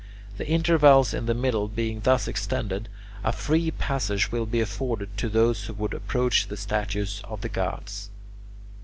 The intervals in the middle being thus extended, a free passage will be afforded to those who would approach the statues of the gods.